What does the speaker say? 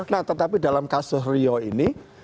nah tetapi dalam kasus rio ini